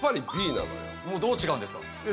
どう違うんですか？